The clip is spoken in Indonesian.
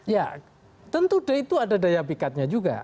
ya tentu itu ada daya pikatnya juga